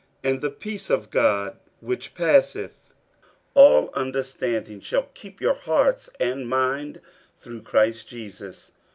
50:004:007 And the peace of God, which passeth all understanding, shall keep your hearts and minds through Christ Jesus.